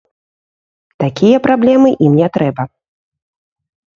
Такія праблемы ім не трэба.